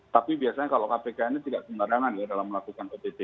tapi biasanya kalau kpk ini tidak sembarangan ya dalam melakukan ott